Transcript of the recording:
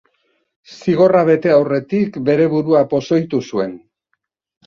Zigorra bete aurretik bere burua pozoitu zuen.